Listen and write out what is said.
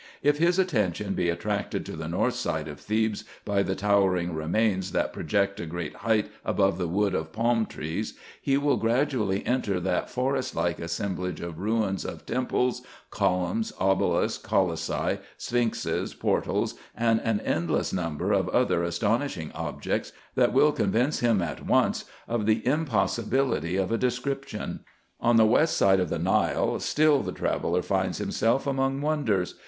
If his attention be attracted to the north side of Thebes by the towering remains, that project a great height above the wood of palm trees, he will gradually enter that forest like assemblage of ruins of temples, columns, obelisks, colossi, sphynxes, portals, and an endless number of other astonishing objects, that will convince him at once of the impossibility of a description. On the west side of the Nile, still the traveller finds himself among wonders.